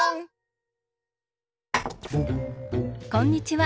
こんにちは。